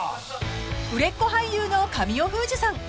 ［売れっ子俳優の神尾楓珠さん］